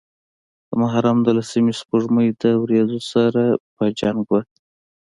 د محرم د لسمې سپوږمۍ د وريځو سره پۀ جنګ وه